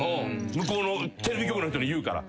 向こうのテレビ局の人に言うから。